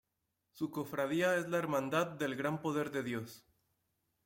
Su cofradía es la Hermandad del Gran Poder de Dios.